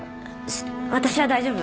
私は大丈夫。